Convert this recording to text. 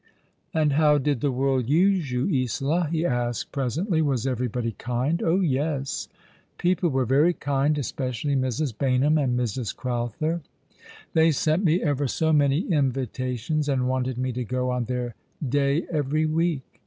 "And how did the world use you, Isola?" he asked pre sently. " Was everybody kind ?"" Oh yes, people were very kind ; especially Mrs. Baynham and Mrs. Crowther. They sent me ever so many invitations, and wanted me to go on their day every week."